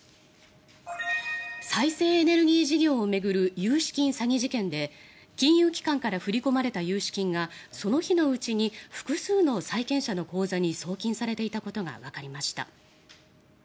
再生エネルギー事業を巡る融資金詐欺事件で金融機関から振り込まれた融資金がその日のうちに複数の債権者の口座に送金されていたことがわかりました。